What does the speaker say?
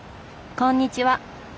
こんにちは。